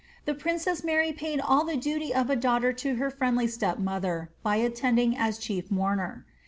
The princess Mary paid all the duty of a daughter to her friendly step mother, by attending as chief mourner.'